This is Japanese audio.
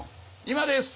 今です！